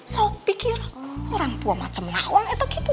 so pikir orang tua macam lah on etek itu